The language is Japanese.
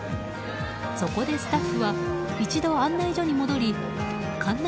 そこでスタッフは一度、案内所に戻り館内